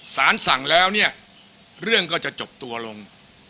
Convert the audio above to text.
ศาลสั่งแล้วเรื่องก็จะจบตัวลง